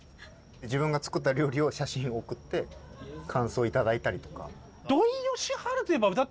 自分が作った料理を写真を送って感想をいただいたりとか。